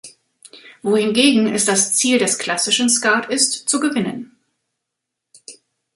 Wohingegen es das Ziel des klassischen Skat ist zu gewinnen.